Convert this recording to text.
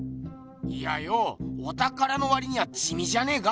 いやよぉおたからのわりにはじみじゃねえか？